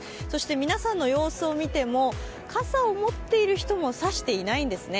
皆さんの様子を見ても、傘を持っている人も差していないんですね。